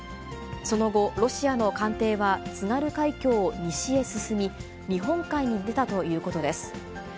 その後、ロシアの艦艇は津軽海峡を西へ進み、日本海に出たということです。